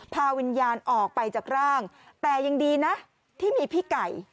พาวิญญาณออกไปจากร่างแต่ยังดีนะที่มีพี่ไก่